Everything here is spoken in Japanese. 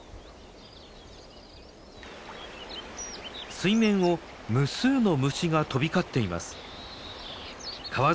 水面を無数の虫が飛び交っています。